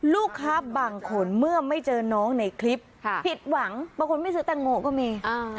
ลูกค้าบางคนเมื่อไม่เจอน้องในคลิปผิดหวังบางคนไม่ซื้อแตงโมก็มี